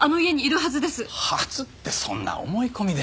「はず」ってそんな思い込みで。